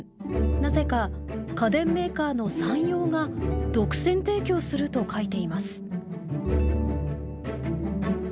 なぜか家電メーカーの「サンヨー」が独占提供すると書いています。